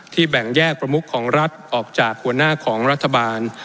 แบ่งแยกประมุขของรัฐออกจากหัวหน้าของรัฐบาล